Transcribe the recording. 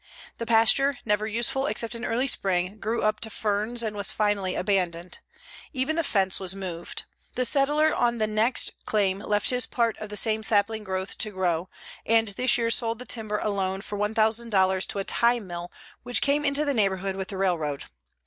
The pasture, never useful except in early spring, grew up to ferns, and was finally abandoned. Even the fence was moved. The settler on the next claim left his part of the same sapling growth to grow and this year sold the timber alone for $1,000 to a tie mill which came into the neighborhood with the railroad.